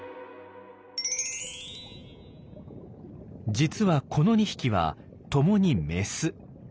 実はこの２匹はともにメス。